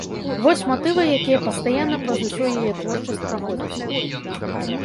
Вось матывы, якія пастаянна праз усю яе творчасць праходзяць.